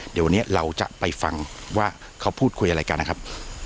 เดี๋ยววันนี้เราจะไปฟังว่าเขาพูดคุยอะไรกันนะครับ